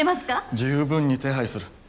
十分に手配する。